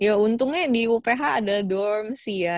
ya untungnya di uph ada dorm sih ya